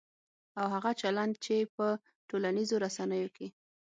او هغه چلند چې په ټولنیزو رسنیو کې